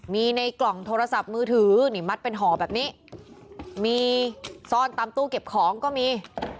มีในกล่องโทรศัพท์มือถือนี่มัดเป็นห่อแบบนี้มีซ่อนตามตู้เก็บของก็มี